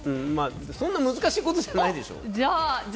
そんな難しいことじゃないでしょ。